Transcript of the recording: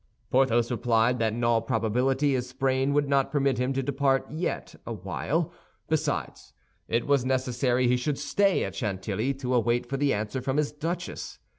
Porthos replied that in all probability his sprain would not permit him to depart yet awhile. Besides, it was necessary he should stay at Chantilly to wait for the answer from his duchess.